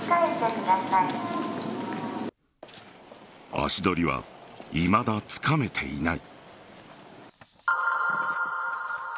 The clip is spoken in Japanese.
足取りはいまだつかめていない。